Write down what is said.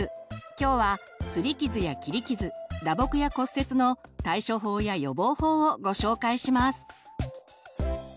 今日は「すり傷」や「切り傷」「打撲」や「骨折」の対処法や予防法をご紹介します！